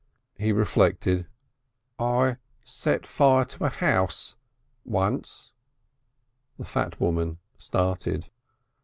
He reflected. "I set fire to a house once." The fat woman started.